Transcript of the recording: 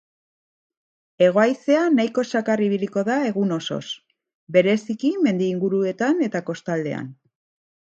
Hego-haizea nahiko zakar ibiliko da egun osoz, bereziki mendi inguruetan eta kostaldean.